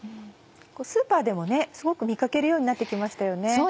スーパーでもすごく見掛けるようになって来ましたよね。